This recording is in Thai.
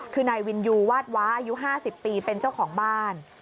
คือนายวินยูวาดว้าอายุ๕๐ปีเป็นเจ้าของบ้าน